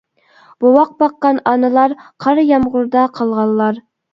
بوۋاق باققان ئانىلار، قار يامغۇردا قالغانلار.